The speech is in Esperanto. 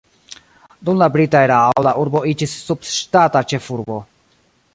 Dum la brita erao la urbo iĝis subŝtata ĉefurbo.